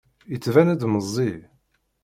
Yettban-d meẓẓi.